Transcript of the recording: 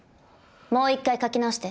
もう１回書き直して。